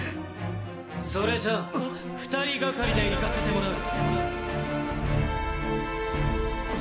それじゃあ２人がかりでいかせてもらう。